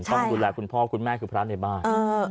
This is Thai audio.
ต้องดูแลคุณพ่อคุณแม่คือพระในบ้าน